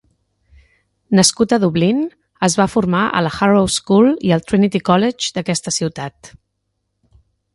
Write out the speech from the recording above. Nascut a Dublín, es va formar a la Harrow School i al Trinity College d'aquesta ciutat.